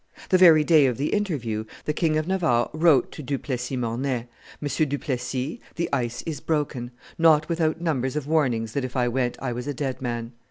The very day of the interview, the King of Navarre wrote to Du Plessis Mornay, 'M. du Plessis, the ice is broken; not without numbers of warnings that if I went I was a dead man.